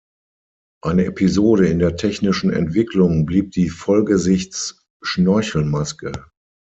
Eine Episode in der technischen Entwicklung blieb die Vollgesichts-Schnorchelmaske.